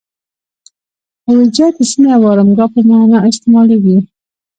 اویجه د سیمې او آرامګاه په معنی استعمالیږي.